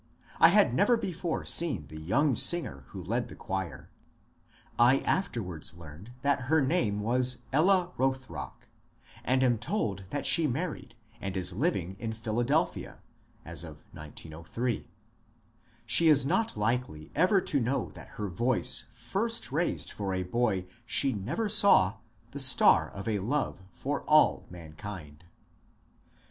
I had never before seen the young singer who led the choir. I afterwards learned that her name was Ella Bothrock, and am told that she married and is living (1903) in Philadelphia. She is not likely ever to know that her voice first raised for a boy she never saw the star of a love for " all mankind."